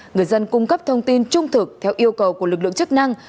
người dân cung cấp thông tin trung thực theo yêu cầu của lực lượng chức năng